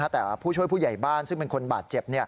แต่ผู้ช่วยผู้ใหญ่บ้านซึ่งเป็นคนบาดเจ็บ